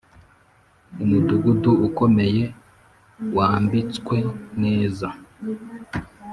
Umudugudu ukomeye wambitswe neza